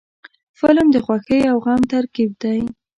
فلم د خوښۍ او غم ترکیب دی